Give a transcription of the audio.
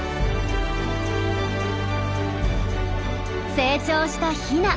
成長したヒナ。